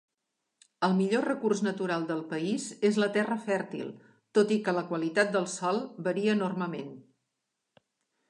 El millor recurs natural del país és la terra fèrtil, tot i que la qualitat del sòl varia enormement.